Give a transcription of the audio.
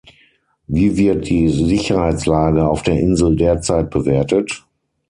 Wie wird die Sicherheitslage auf der Insel derzeit bewertet?